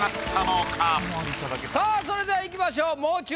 さぁそれではいきましょう